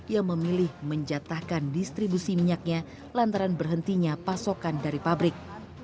yang memilih menjatahkan distribusi minyaknya lantaran berhentinya pasokan dari pabrik